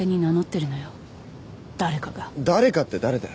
誰かって誰だよ？